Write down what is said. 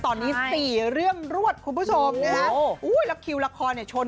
ตอนนี้๔เรื่องรวดคุณผู้ชม